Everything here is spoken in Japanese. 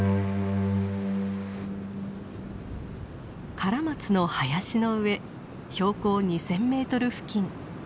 カラマツの林の上標高２，０００メートル付近。